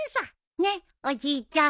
ねっおじいちゃん。